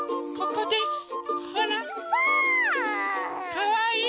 かわいい？